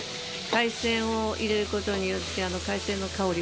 海鮮を入れることによって。